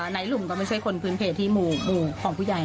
ในหลุมก็ไม่ใช่คนพื้นเพจที่หมู่ของผู้ใหญ่